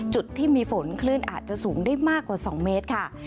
จุดที่มีฝนคลื่นอาจจะสูงได้มากกว่า๒เมตรค่ะ